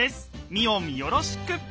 ミオンよろしく！